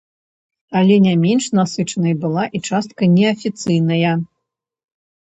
Але не менш насычанай была і частка неафіцыйная.